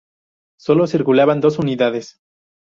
Sólo circulaban dos unidades.